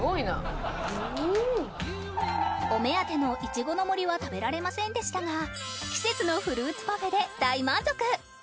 お目当てのいちごの森は食べられませんでしたが季節のフルーツパフェで大満足！